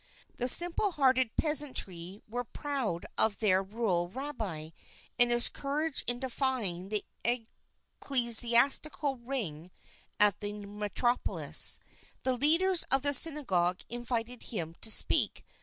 The simple hearted peasantry were proud of their rural Rabbi and his courage in defying the ecclesiastical ring at the metropolis. The leaders of the Synagogue invited him to speak.